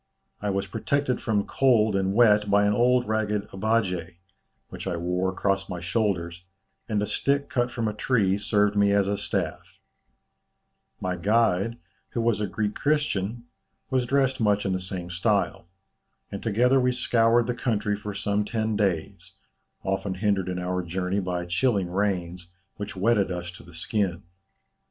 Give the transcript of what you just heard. I was protected from cold and wet by an old ragged 'abbaje,' which I wore across my shoulders, and a stick cut from a tree served me as a staff; my guide, who was a Greek Christian, was dressed much in the same style; and together we scoured the country for some ten days, often hindered in our journey by chilling rains, which wetted us to the skin.